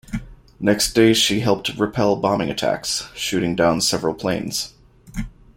Next day she helped repel bombing attacks, shooting down several planes.